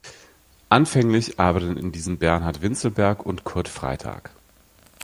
Anfänglich arbeiteten in diesen Bernhard Vinzelberg und Kurt Freitag.